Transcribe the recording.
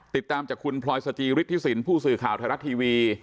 ติดตามจากคุณพลอยสจิฤทธิสินผู้สื่อข่าวไทยรัฐทีวี